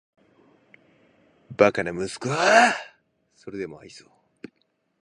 バカな息子をーーーーそれでも愛そう・・・